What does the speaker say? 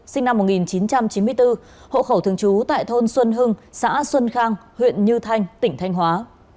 sinh năm một nghìn chín trăm chín mươi bốn hộ khẩu thường trú tại thôn xuân hưng xã xuân khang huyện như thanh tỉnh thanh hóa